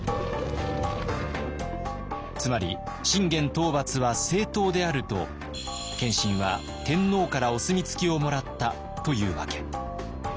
つまり信玄討伐は正当であると謙信は天皇からお墨付きをもらったというわけ。